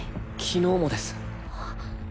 昨日もです。